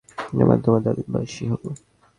আমার তোমার দাদীর বয়সী হব।